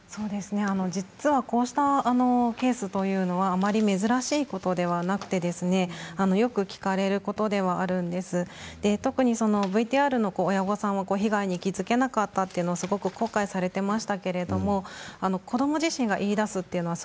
実はこうしたケースというのはあまり珍しいことではなくてよく聞かれることではあるんですけれどＶＴＲの親御さんは被害に気付けなかったということをすごく後悔されていましたけれど子ども自身が言いだすということは